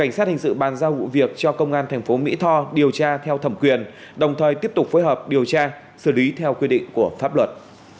cảnh sát hình sự ban giao vụ việc cho công an thành phố mỹ tho điều tra theo thẩm quyền đồng thời tiếp tục phối hợp điều tra theo thẩm quyền đồng thời tiếp tục phối hợp điều tra theo thẩm quyền